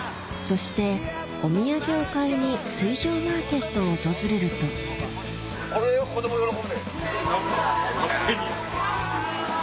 そしてお土産を買いに水上マーケットを訪れるとこれは子供喜ぶで。